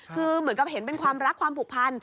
คือเหมือนกับเห็นเป็นความรักความผูกพัน